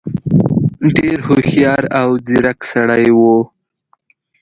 ډېر هوښیار او ځيرک سړی وو.